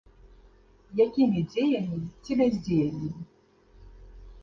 Якімі дзеяннямі ці бяздзеяннем?